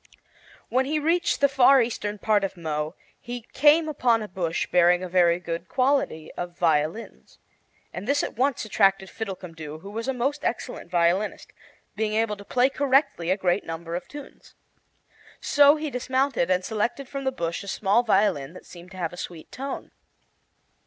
When he reached the far eastern part of Mo he came on a bush bearing a very good quality of violins, and this at once attracted Fiddlecumdoo, who was a most excellent violinist, being able to play correctly a great number of tunes. So he dismounted and selected from the bush a small violin that seemed to have a sweet tone.